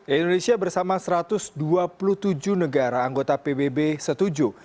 indonesia bersama satu ratus dua puluh tujuh negara anggota pbb setuju